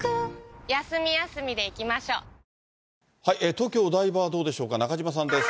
東京・お台場はどうでしょうか、中島さんです。